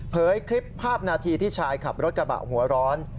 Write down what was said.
คลิปภาพนาทีที่ชายขับรถกระบะหัวร้อน